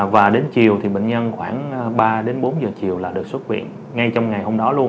và đến chiều bệnh nhân khoảng ba bốn giờ chiều là được xuất viện ngay trong ngày hôm đó luôn ạ